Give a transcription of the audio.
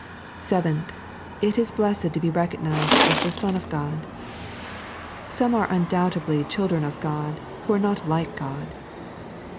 Seventh, it is blessed to be recognised at the ion of God. Some are undoubtedly children of Ood, who are not like God.